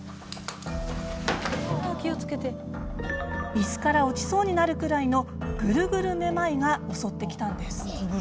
椅子から落ちそうになるくらいのグルグルめまいが襲ってきたんです。